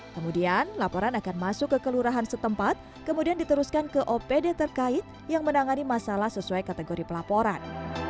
kemudian laporan akan masuk ke kelurahan setempat kemudian diteruskan ke opd terkait yang menangani masalah sesuai kategori pelaporan